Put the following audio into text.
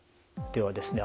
ではですね